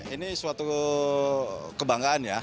ini suatu kebanggaan ya